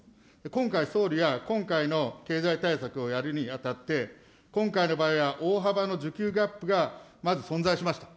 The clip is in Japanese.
今回、総理は、今回の経済対策をやるにあたって、今回の場合は大幅な需給ギャップがまず存在しました。